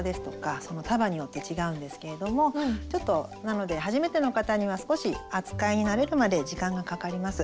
束によって違うんですけれどもなので初めての方には少し扱いに慣れるまで時間がかかります。